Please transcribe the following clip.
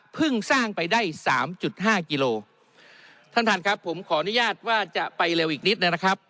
สร้างไปได้สามจุดห้ากิโลท่านท่านครับผมขออนุญาตว่าจะไปเร็วอีกนิดนะครับ